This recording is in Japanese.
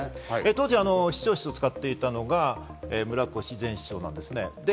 当時、市長室を使っていたのが村越市長なんですね。